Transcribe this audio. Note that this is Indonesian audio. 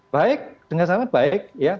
baik dengan sangat baik